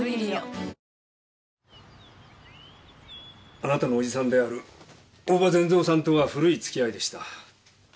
あなたの伯父さんである大庭善三さんとは古いつきあいでした。